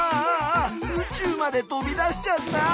ああ宇宙まで飛び出しちゃった！